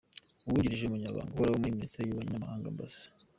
Uwungirije Umunyamabanga Uhoraho muri Minisiteri y’Ububanyi n’Amahanga Amb.